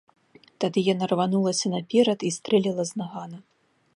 Тады яна рванулася наперад і стрэліла з нагана.